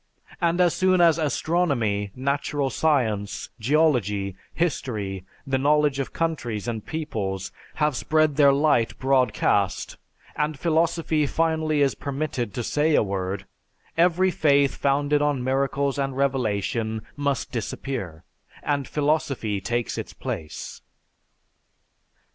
And as soon as astronomy, natural science, geology, history, the knowledge of countries and peoples, have spread their light broadcast, and philosophy finally is permitted to say a word, every faith founded on miracles and revelation must disappear; and philosophy takes its place."